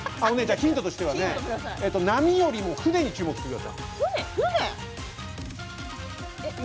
ヒントとしては、波よりも船に注目してください。